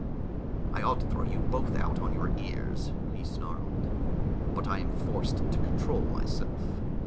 "I ought to throw you both out on your ears," he snarled. "But I am forced to control myself.